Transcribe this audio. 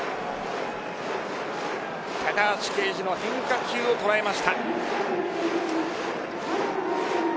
高橋奎二の変化球を捉えました。